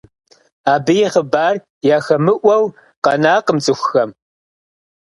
Абы и хъыбар яхэмыӀуэу къэнакъым цӀыхухэм.